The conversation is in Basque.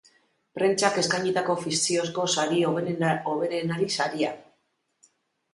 Prentsak eskainitako fikziozko sari hoberenari saria.